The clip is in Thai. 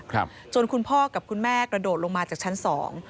ครับจนคุณพ่อกับคุณแม่กระโดดลงมาจากชั้นสอง